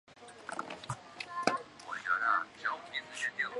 本剧亦为坂口健太郎的初次主演剧作。